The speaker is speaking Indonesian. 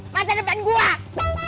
masa depan gue